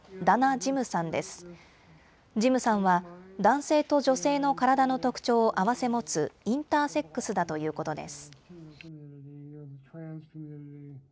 ジムさんは、男性と女性の体の特徴を併せ持つインターセックスだということです。